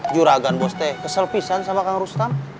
juragan boste kesel pisan sama kang rustam